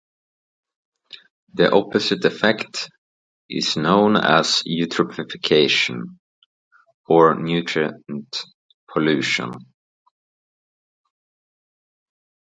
The opposite effect is known as eutrophication or nutrient pollution.